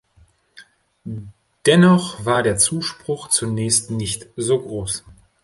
Dennoch war der Zuspruch zunächst nicht so groß.